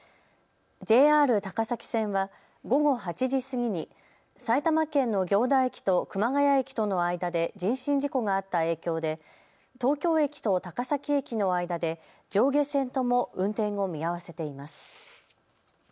ＪＲ高崎線は午後８時過ぎに埼玉県の行田駅と熊谷駅との間で人身事故があった影響で東京駅と高崎駅の間で上下線とも運転を見合わせています。